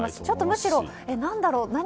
ちょっとむしろ何だろう？